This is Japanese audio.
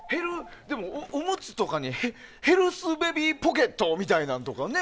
おむつとかにヘルスベビーポケットみたいなんとかね